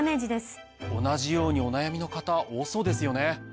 同じようにお悩みの方多そうですよね。